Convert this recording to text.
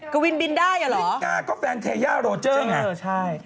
กวินบินได้เหรอกวินบินได้เพราะแฟนเทย่าโรเจอร์ไง